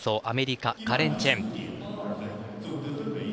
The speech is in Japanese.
アメリカ、カレン・チェン。